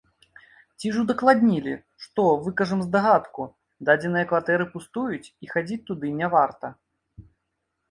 Ці ж удакладнілі, што, выкажам здагадку, дадзеныя кватэры пустуюць, і хадзіць туды не варта.